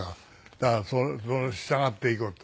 だからそれに従っていこうと。